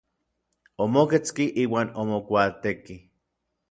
Omoketski iuan omokuaatekij.